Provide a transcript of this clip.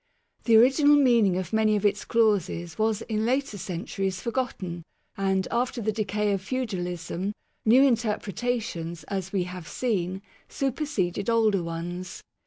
The original meaning of many of its clauses was in later centuries forgotten, and, after the decay of feudalism, new interpretations (as we have seen) superseded older ones.